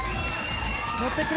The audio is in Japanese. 乗ってくれ。